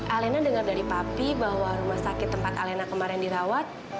alena dengar dari papi bahwa rumah sakit tempat alena kemarin dirawat